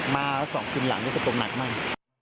มา๒คืนหลังจะตกหนักมาก